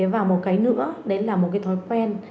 và một cái nữa đấy là một cái thói quen